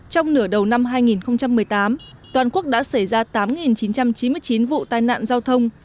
trong nửa đầu năm hai nghìn một mươi tám toàn quốc đã xảy ra tám chín trăm chín mươi chín vụ tai nạn giao thông